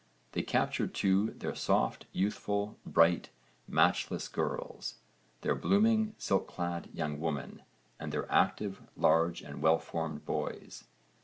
They captured too 'their soft, youthful, bright, matchless girls: their blooming silk clad young women: and their active, large, and well formed boys.'